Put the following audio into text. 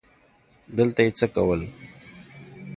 دلته یې څه کول ؟